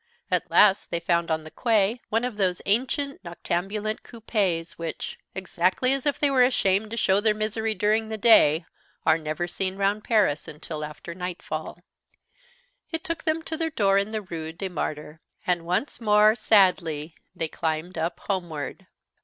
At last they found on the quay one of those ancient noctambulent coupés which, exactly as if they were ashamed to show their misery during the day, are never seen round Paris until after nightfall. It took them to their door in the Rue des Martyrs, and once more, sadly, they climbed up homeward.